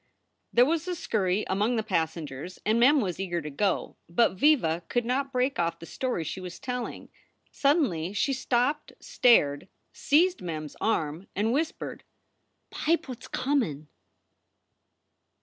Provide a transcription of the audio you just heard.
There was a scurry among the passengers and Mem was eager to go, but Viva could not break off the story she was telling. Suddenly she stopped, stared, seized Mem s arm, and whispered, "Pipe what s comin